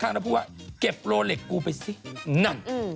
แล้วพูดว่าเก็บโลเล็กกูไปสินั่น